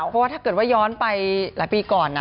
เพราะว่าถ้าเกิดว่าย้อนไปหลายปีก่อน